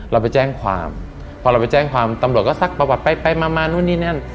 เราไปแจ้งความพอเราไปแจ้งความตำรวจก็ซักประวัติไปไปมามานู่นนี่นั่น